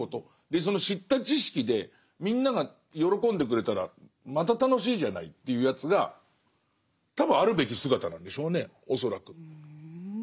でその知った知識でみんなが喜んでくれたらまた楽しいじゃないっていうやつが多分あるべき姿なんでしょうね恐らく。